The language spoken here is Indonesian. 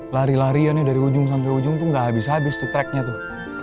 lari larian nih dari ujung sampai ujung tuh gak habis habis tuh tracknya tuh